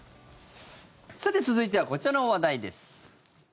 さて、続いてはこちらの話題です。